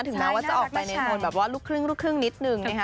ถึงแม้ว่าจะออกไปในมนต์แบบว่าลูกครึ่งนิดนึงเนี่ยค่ะ